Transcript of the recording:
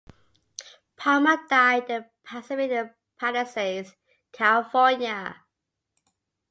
Palmer died in Pacific Palisades, California.